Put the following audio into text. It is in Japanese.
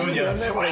これ。